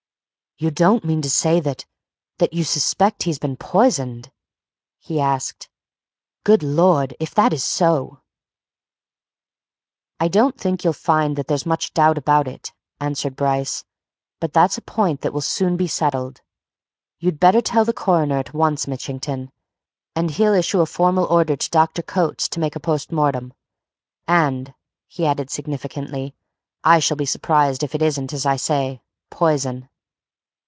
"You don't mean to say that that you suspect he's been poisoned?" he asked. "Good Lord, if that is so " "I don't think you'll find that there's much doubt about it," answered Bryce. "But that's a point that will soon be settled. You'd better tell the Coroner at once, Mitchington, and he'll issue a formal order to Dr. Coates to make a post mortem. And," he added significantly, "I shall be surprised if it isn't as I say poison!"